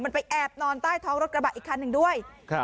มันไปแอบนอนใต้ท้องรถกระบะอีกคันหนึ่งด้วยครับ